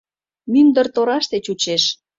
Мӱндыр тораште чучеш.